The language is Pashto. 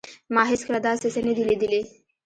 ما هیڅکله داسې څه نه دي لیدلي